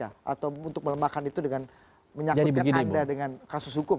atau untuk melemahkan itu dengan menyakutkan anda dengan kasus hukum